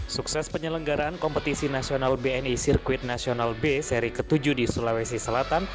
sukses penyelenggaraan kompetisi nasional bni sirkuit nasional b seri ke tujuh di sulawesi selatan